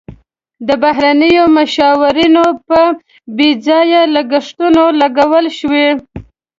د بهرنیو مشاورینو په بې ځایه لګښتونو لګول شوي.